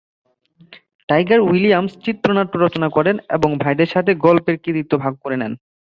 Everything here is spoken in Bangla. টাইগার উইলিয়ামস চিত্রনাট্য রচনা করেন এবং ভাইদের সাথে গল্পের কৃতিত্ব ভাগ করে নেন।